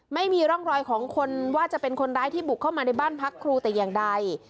ไม่มีร่องรอยของคนว่าจะเป็นคนร้ายที่บุกเข้ามาในบ้านพักครูแต่อย่างใด